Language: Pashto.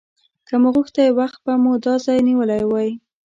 که موږ غوښتی وخته به مو دا ځای نیولی و.